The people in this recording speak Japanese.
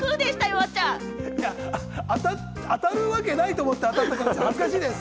当たるわけないと思って、当たったから恥ずかしいです。